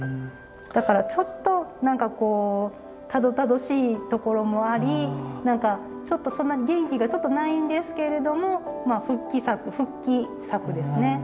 だからちょっと何かこうたどたどしいところもあり何かちょっとそんなに元気がないんですけれどもまあ復帰作復帰作ですね。